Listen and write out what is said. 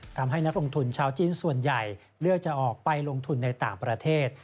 นักลงทุนชาวจีนส่วนใหญ่เลือกจะออกไปลงทุนในต่างประเทศ